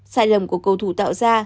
sai lầm của cầu thủ tạo ra